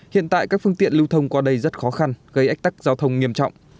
hiện tại các phương tiện lưu thông qua đây rất khó khăn gây ách tắc giao thông nghiêm trọng